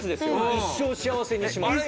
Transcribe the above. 「一生幸せにします」って。